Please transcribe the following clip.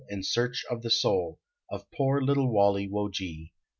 In search of the soul Of poor little Walle wo ge.